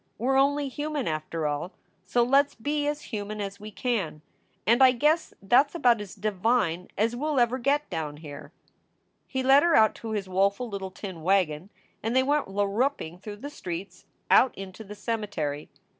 We re only human, after all, so let s be as human as we can, and I guess that s about as divine as we ll ever get Down Here." He led her out to his woeful little tin wagon and they went larruping through the streets, out into the cemetery.